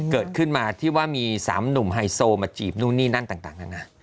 เกิดขึ้นมาที่ว่ามี๓หนุ่มไฮโซมาจีบนู่นนี่นั่นต่างนั้นนะ